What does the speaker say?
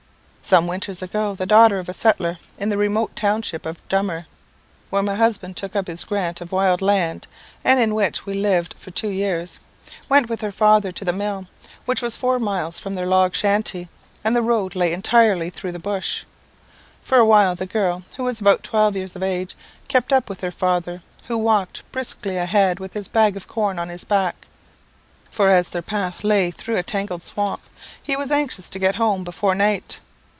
"Some winters ago, the daughter of a settler in the remote township of Dummer (where my husband took up his grant of wild land, and in which we lived for two years) went with her father to the mill, which was four miles from their log shanty, and the road lay entirely through the bush. For awhile the girl, who was about twelve years of age, kept up with her father, who walked briskly ahead with his bag of corn on his back; for as their path lay through a tangled swamp, he was anxious to get home before night.